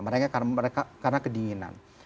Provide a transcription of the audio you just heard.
mereka karena kedinginan